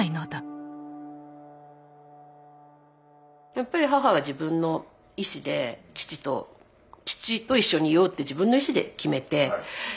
やっぱり母は自分の意志で父と父と一緒にいようって自分の意志で決めて。